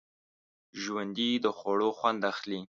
ژوندي د خوړو خوند اخلي